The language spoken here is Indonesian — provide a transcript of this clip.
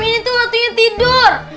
ini tuh waktunya tidur